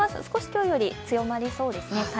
少し今日より強まりそうですね。